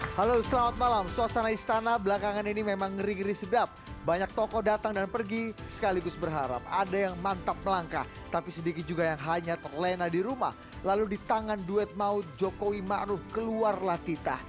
halo selamat malam suasana istana belakangan ini memang ngeri ngeri sedap banyak tokoh datang dan pergi sekaligus berharap ada yang mantap melangkah tapi sedikit juga yang hanya terlena di rumah lalu di tangan duet maut jokowi ⁇ maruf ⁇ keluar latita